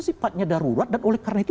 sifatnya darurat dan oleh karena itu